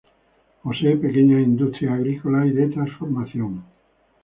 Posee pequeñas industrias agrícolas y de transformación.